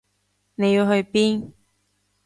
你要去邊？